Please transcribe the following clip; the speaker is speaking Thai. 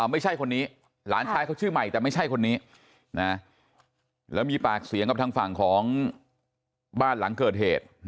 ไม่ใช่คนนี้หลานชายเขาชื่อใหม่แต่ไม่ใช่คนนี้นะแล้วมีปากเสียงกับทางฝั่งของบ้านหลังเกิดเหตุ